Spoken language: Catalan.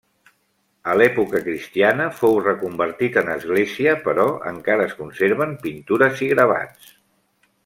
A l'època cristiana, fou reconvertit en església però encara es conserven pintures i gravats.